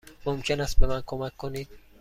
ممکن است به من کمک کنید؟